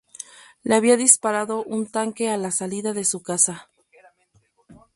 Le había disparado un tanque a la salida de su casa.